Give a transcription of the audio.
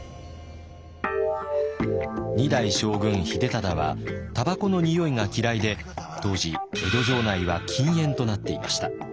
二代将軍秀忠はタバコのにおいが嫌いで当時江戸城内は禁煙となっていました。